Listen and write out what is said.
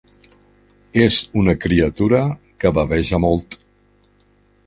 És una criatura que baveja molt.